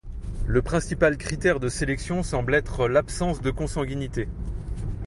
Le principal critère de sélection semble être l'absence de consanguinité.